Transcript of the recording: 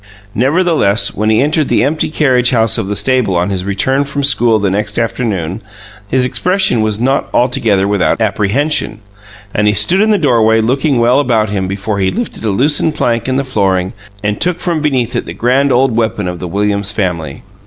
Nevertheless, when he entered the empty carriage house of the stable, on his return from school the next afternoon, his expression was not altogether without apprehension, and he stood in the doorway looking well about him before he lifted a loosened plank in the flooring and took from beneath it the grand old weapon of the Williams family.